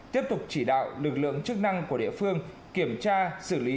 tiếp tục chỉ đạo lực lượng chức năng của địa phương kiểm tra xử lý